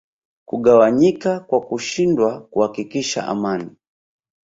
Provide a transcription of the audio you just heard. kugawanyika kwa kushindwa kuhakikisha amani